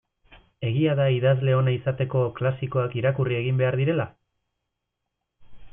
Egia da idazle ona izateko klasikoak irakurri egin behar direla?